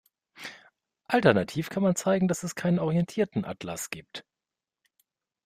Alternativ kann man zeigen, dass es keinen orientierten Atlas gibt.